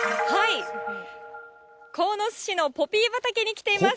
鴻巣市のポピー畑に来ています。